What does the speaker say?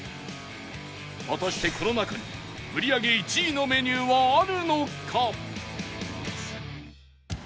果たしてこの中に売り上げ１位のメニューはあるのか？